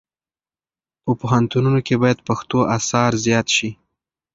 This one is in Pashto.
په پوهنتونونو کې باید پښتو اثار زیات شي.